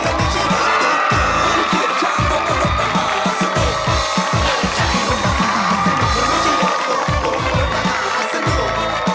และไม่ใช่รถตุ๊กตุ๊ก